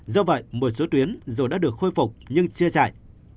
do vậy một số tuyến dù đã được khôi phục nhưng chưa chạy